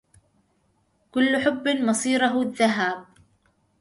كل حب مصيره اللذهاب